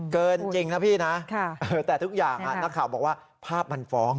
เกินจริงนะพี่นะแต่ทุกอย่างนักข่าวบอกว่าภาพมันฟ้อง